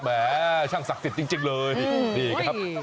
แหมช่างศักดิ์สิทธิ์จริงเลยนี่ครับ